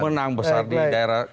menang besar di daerah